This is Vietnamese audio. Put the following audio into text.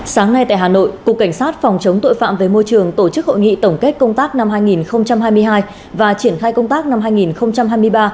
sáng nay tại hà nội cục cảnh sát phòng chống tội phạm về môi trường tổ chức hội nghị tổng kết công tác năm hai nghìn hai mươi hai và triển khai công tác năm hai nghìn hai mươi ba